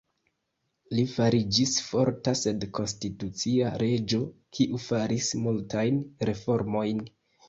Li fariĝis forta sed konstitucia reĝo kiu faris multajn reformojn.